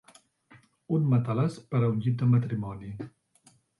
Un matalàs per a un llit de matrimoni.